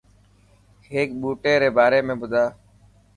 هيڪ ٻوٽي ري باري۾ ٻڌا.